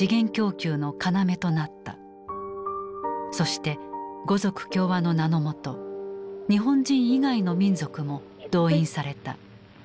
そして五族協和の名のもと日本人以外の民族も動員された。